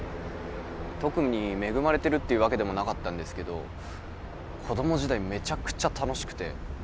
特に恵まれてるっていうわけでもなかったんですけど子供時代めちゃくちゃ楽しくて。